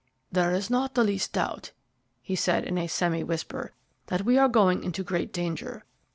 "There is not the least doubt," he said, in a semi whisper, "that we are going into great danger.